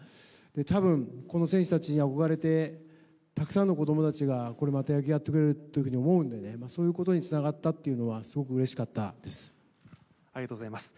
たぶん、この選手たちに憧れて、たくさんの子どもたちが、これ、また野球やってくれると思うんでね、そういうことにつながったというのは、すごくうれしかったでありがとうございます。